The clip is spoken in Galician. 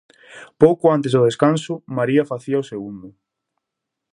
Pouco antes do descanso, María facía o segundo.